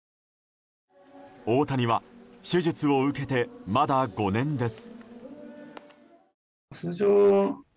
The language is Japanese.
大谷は手術を受けて、まだ５年です。